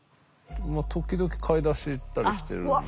時々買い出し行ったりしてるんで。